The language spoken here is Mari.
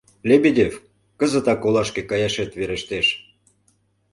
Лебедев, кызытак олашке каяшет верештеш.